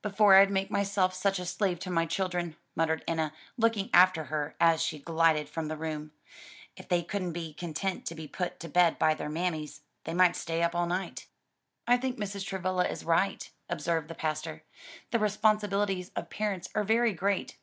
"Before I'd make myself such a slave to my children!" muttered Enna, looking after her as she glided from the room. "If they couldn't be content to be put to bed by their mammies, they might stay up all night." "I think Mrs. Travilla is right," observed the pastor; "the responsibilities of parents are very great.